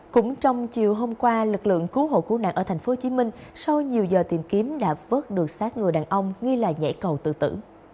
cũng trong chiều hôm qua lực lượng cứu hộ cứu nạn ở tp hcm sau nhiều giờ tìm kiếm đã vớt được sát người đàn ông nghi là nhảy cầu tự tử